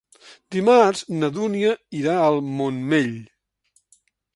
Dimarts na Dúnia irà al Montmell.